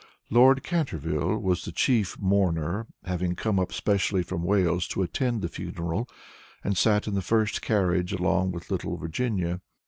Lord Canterville was the chief mourner, having come up specially from Wales to attend the funeral, and sat in the first carriage along with little Virginia.